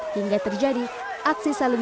hingga terjadi aksi saling